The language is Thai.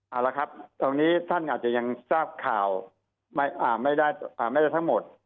เอาละครับตอนนี้ท่านอาจจะยังทราบข่าวไม่ได้ทั้งหมด